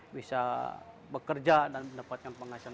bisa bekerja dan mendapatkan penghasilan